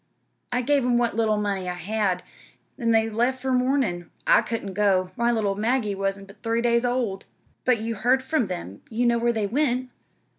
I give 'em what little money I had, an' they left 'fore mornin'. I couldn't go. My little Maggie wa'n't but three days old." "But you heard from them you knew where they went?"